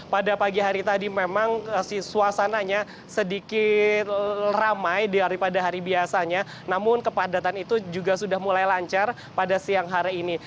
pada pagi hari tadi memang suasananya sedikit ramai daripada hari biasanya namun kepadatan itu juga sudah mulai lancar pada siang hari ini